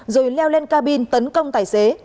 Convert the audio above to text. rồi leo lên cabin tấn công tài xế